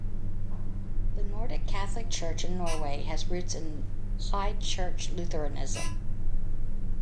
The Nordic Catholic Church in Norway has roots in High Church Lutheranism.